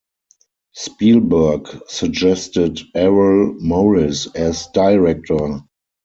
Spielberg suggested Errol Morris as director.